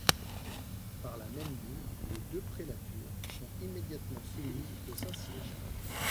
Par la même bulle, les deux prélatures sont immédiatement soumises au Saint-Siège.